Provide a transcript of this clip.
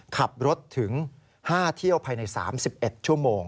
ขับรถถึง๕เที่ยวภายใน๓๑ชั่วโมง